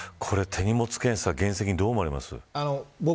手荷物検査、現実的にどう思われますか。